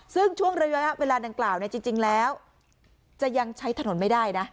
ซึ่งช่วงระยะเวลาดังกล่าวจริงแล้วจะยังใช้ถนนไม่ได้นะ